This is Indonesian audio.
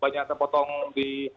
banyak terpotong di